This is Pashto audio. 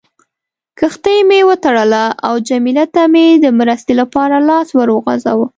کښتۍ مې وتړله او جميله ته مې د مرستې لپاره لاس ور وغځاوه.